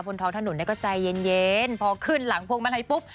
ท้องถนนเนี่ยก็ใจเย็นพอขึ้นหลังพวงมาลัยปุ๊บ